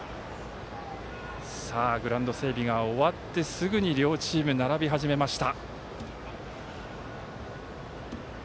グラウンド整備が終わってすぐに両チームが並び始めました。